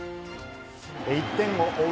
１点を追う